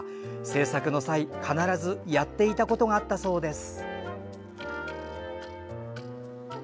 制作の際、必ずやっていたことがあったそうです。